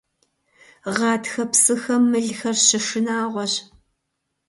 Гъатхэ псыхэм мылхэр щышынагъуэщ.